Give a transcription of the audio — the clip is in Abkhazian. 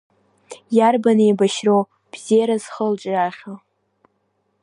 Иарбан еибашьроу бзиара зхылҿиаахьоу?